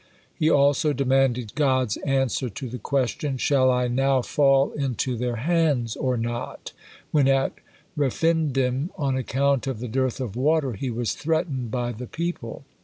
He also demanded God's answer to the question, "Shall I now fall into their hands or not?" when at Rephindim, on account of the dearth of water, he was threatened by the people.